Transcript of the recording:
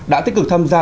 đã tích cực tham gia